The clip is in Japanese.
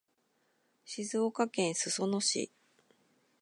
静岡県裾野市